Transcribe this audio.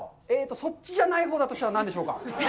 そっちじゃないほうだとしたら、何でしょうか？